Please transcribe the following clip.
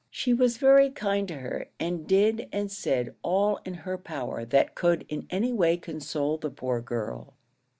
She was very kind to her, and did and said all in her power that could in any way console the poor girl.